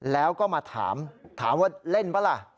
แล้วก็มาถามถามว่าเล่นป่ะล่ะ